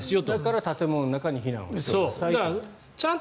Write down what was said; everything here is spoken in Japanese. だから、建物の中に避難をしてくださいと。